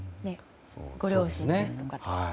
ご両親ですとか。